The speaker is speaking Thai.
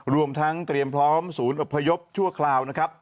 รวมทั้งเตรียมพร้อมศูนย์อบพยพชั่วคราวนะครับ